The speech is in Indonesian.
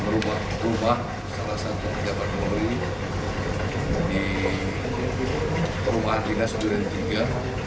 rumah salah satu kejabat mori di rumah dinas yudin iii